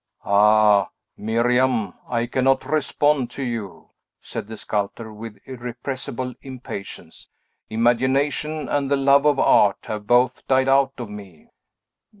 "Ah, Miriam! I cannot respond to you," said the sculptor, with irrepressible impatience. "Imagination and the love of art have both died out of me."